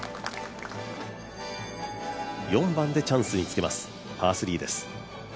４番でチャンスにつけます、パー３です。